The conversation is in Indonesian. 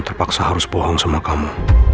terpaksa harus bohong sama kamu